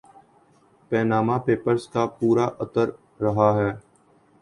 Panama Papers کا پارہ اتر رہا ہے۔